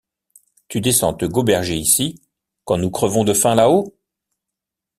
Tu descends te goberger ici, quand nous crevons de faim là-haut?